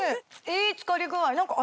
いい漬かり具合味